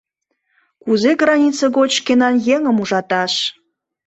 Кузе граница гоч шкенан еҥым ужаташ?